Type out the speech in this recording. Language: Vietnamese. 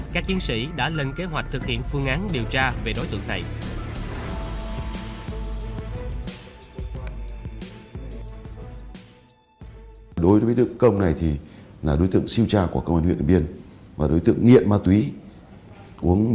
các chiến sĩ đã lên kế hoạch thực hiện phương án